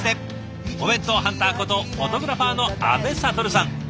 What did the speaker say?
お弁当ハンターことフォトグラファーの阿部了さん。